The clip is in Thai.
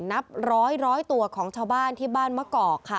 นับร้อยตัวของชาวบ้านที่บ้านมะกอกค่ะ